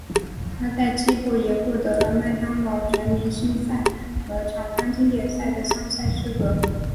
他在季后也获得了麦当劳全明星赛和乔丹经典赛的参赛资格。